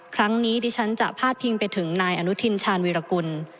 ดิฉันจะพาดพิงไปถึงนายอนุทินชาญวิรากุล